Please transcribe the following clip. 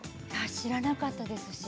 知らなかったです。